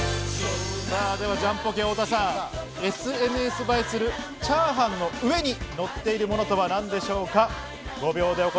ジャンポケ・太田さん、ＳＮＳ映えするチャーハンの上にのっているものとは一体何でしょうか？